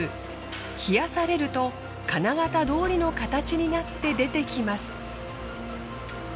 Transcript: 冷やされると金型どおりの形になって出てきます。